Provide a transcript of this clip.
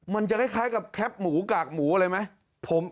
มันจะคล้ายกับแคปหมูกากหมูอะไรไหม